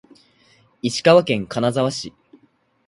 石川県金沢市